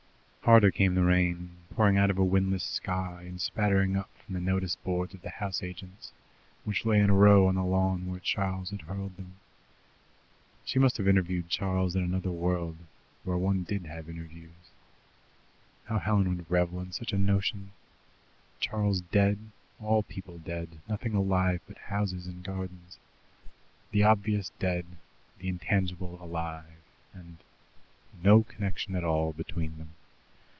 Harder came the rain, pouring out of a windless sky, and spattering up from the notice boards of the house agents, which lay in a row on the lawn where Charles had hurled them. She must have interviewed Charles in another world where one did have interviews. How Helen would revel in such a notion! Charles dead, all people dead, nothing alive but houses and gardens. The obvious dead, the intangible alive, and no connection at all between them!